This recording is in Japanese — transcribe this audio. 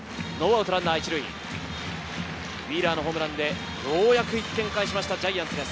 ウィーラーのホームランでようやく１点返しました、ジャイアンツです。